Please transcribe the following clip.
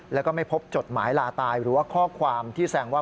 แล้วก็ไม่พบจดหมายลาตายหรือว่าข้อความที่แซงว่า